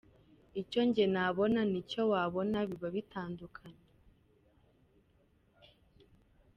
Icyo njye nabona n’icyo wabona biba bitandukanye.